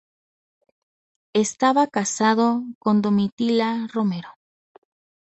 Estaba casado con Domitila Romero.